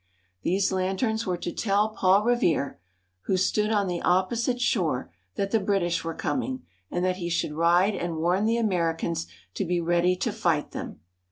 These lanterns were to tell Paul Revere, who stood on the opposite shore, that the Brit ish were coming, and that he should ride and warn the Americans to be ready to fight them.